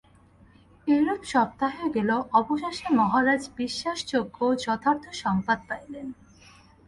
এইরূপে সপ্তাহ গেল, অবশেষে মহারাজ বিশ্বাসযোগ্য যথার্থ সংবাদ পাইলেন।